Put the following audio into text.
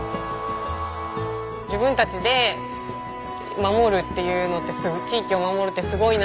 自分たちで守るっていうのって地域を守るってすごいな。